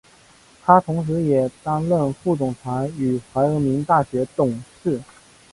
他同时也担任副总裁与怀俄明大学董事。